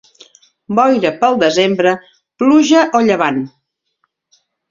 Boira pel desembre, pluja o llevant.